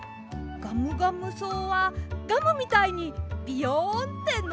ガムガムそうはガムみたいにビヨンってのびます。